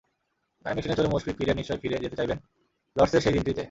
Time মেশিনে চড়ে মুশফিক ফিরে নিশ্চয় ফিরে যেতে চাইবেন লর্ডসের সেই দিনটিতে।